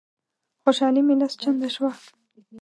خوشالي مي لس چنده شوه.